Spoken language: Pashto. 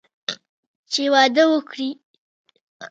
چې واده وکړي.